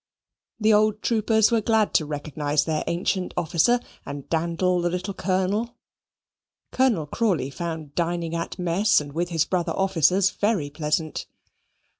The old troopers were glad to recognize their ancient officer and dandle the little colonel. Colonel Crawley found dining at mess and with his brother officers very pleasant.